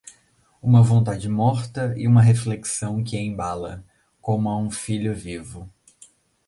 Uma vontade morta e uma reflexão que a embala, como a um filho vivo...